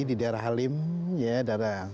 di daerah halim ya daerah